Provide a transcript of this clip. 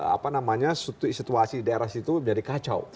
apa namanya situasi daerah situ menjadi kacau